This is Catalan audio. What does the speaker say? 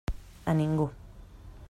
A ningú.